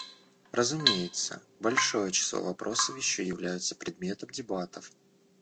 Разумеется, большое число вопросов еще являются предметов дебатов.